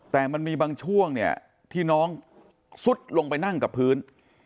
แต่มันมีบางช่วงเนี่ยที่น้องซุดลงไปนั่งกับพื้น